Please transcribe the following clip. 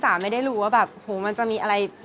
ต้องไปคุยกับเพื่อนค่ะ